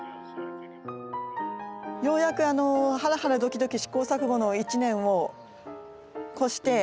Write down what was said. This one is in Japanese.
ようやくハラハラドキドキ試行錯誤の１年を越して。